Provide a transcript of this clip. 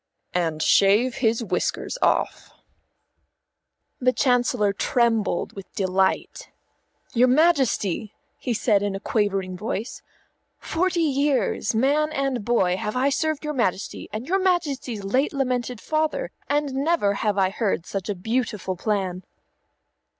"And shave his whiskers off." The Chancellor trembled with delight. "Your Majesty," he said in a quavering voice, "forty years, man and boy, have I served your Majesty, and your Majesty's late lamented father, and never have I heard such a beautiful plan."